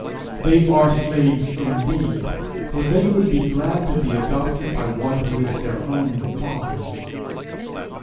They are slaves indeed, for they would be glad to be adopted by one who is their own father!